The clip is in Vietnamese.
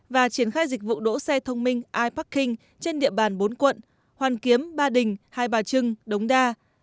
và triển khai dịch vụ đỗ xe thông minh iparking trên địa bàn bốn quận hoàn kiếm ba đình hai bà trưng đống đa